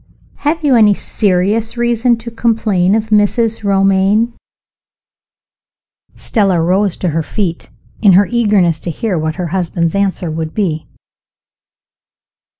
Have you any serious reason to complain of Mrs. Romayne?" (Stella rose to her feet, in her eagerness to hear what her husband's answer would be.)